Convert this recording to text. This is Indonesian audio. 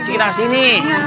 di sekitar sini